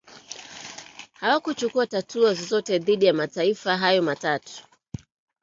hawakuchukua hatua zozote dhidi ya mataifa hayo matatu